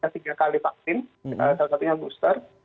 tiga kali vaksin salah satunya booster